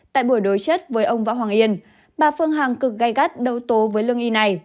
tại buổi đối chất với ông võ hoàng yên bà phương hằng cực gai gắt đầu tố với lương y này